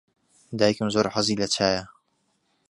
دایکم زۆر حەزی لە چایە.